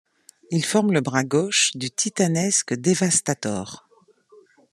Il forme le bras gauche du titanesque Devastator.